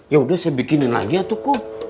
ya udah saya bikinin lagi ya kum